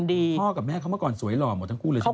พ่อกับแม่เขาเมื่อก่อนสวยหล่อหมดทั้งคู่เลยใช่ไหม